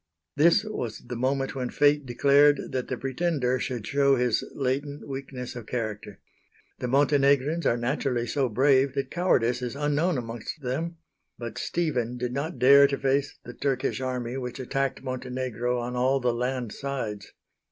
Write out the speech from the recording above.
This was the moment when Fate declared that the Pretender should show his latent weakness of character. The Montenegrins are naturally so brave that cowardice is unknown amongst them; but Stephen did not dare to face the Turkish army, which attacked Montenegro on all the land sides.